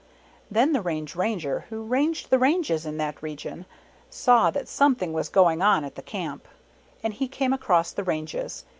Then the Range Ranger who ranged the ranges in that region, saw that something was going on at the Camp, and he came across the ranges.